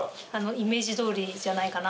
イメージどおりじゃないかなと。